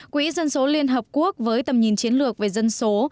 quỹ dân số liên hợp quốc với tầm nhìn chiến lược về dân số